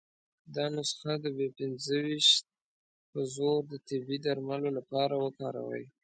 دا نسخه د بي پنځه ویشت په زور د تبې درملو لپاره وکاروي.